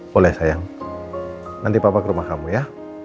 boleh sayang nanti papa ke rumah kamu ya